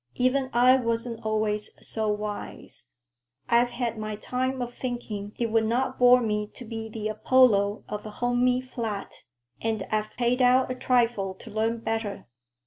Even I wasn't always so wise. I've had my time of thinking it would not bore me to be the Apollo of a homey flat, and I've paid out a trifle to learn better.